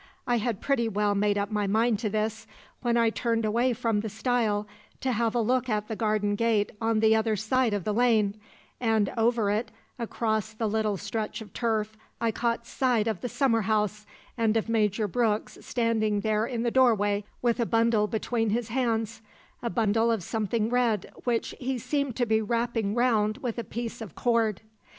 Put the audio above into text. I had pretty well made up my mind to this when I turned away from the stile to have a look at the garden gate on the other side of the lane; and over it, across the little stretch of turf, I caught sight of the summer house and of Major Brooks standing there in the doorway with a bundle between his hands a bundle of something red, which he seemed to be wrapping round with a piece of cord.